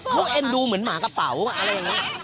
เขาเอ็นดูเหมือนหมากระเป๋าอะไรอย่างนี้